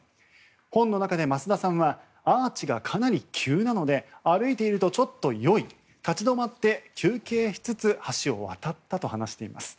本の中で益田さんはアーチがかなり急なので歩いているとちょっと酔い立ち止まって休憩しつつ橋を渡ったと話しています。